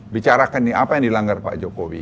bicarakan nih apa yang dilanggar pak jokowi